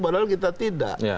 padahal kita tidak